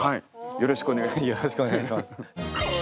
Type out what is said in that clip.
よろしくお願いします。